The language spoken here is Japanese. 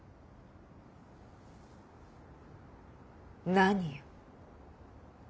何よ？